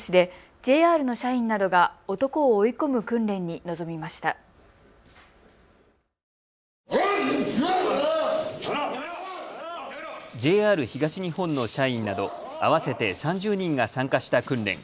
ＪＲ東日本の社員など合わせて３０人が参加した訓練。